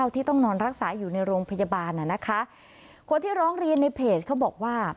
ที่ต้องนอนรักษาอยู่ในโรงพยาบาลน่ะนะคะคนที่ร้องเรียนในเพจเขาบอกว่า